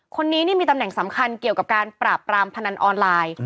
คนนี้นี่มีตำแหน่งสำคัญเกี่ยวกับการปราบปรามพนันออนไลน์